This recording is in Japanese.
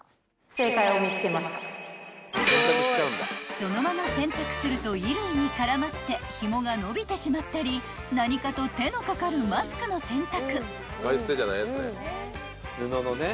［そのまま洗濯すると衣類に絡まってひもが伸びてしまったり何かと手の掛かるマスクの洗濯］